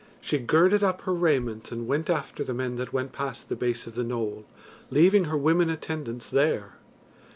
She girded up her raiment and went after the men that went past the base of the knoll, leaving her women attendants there.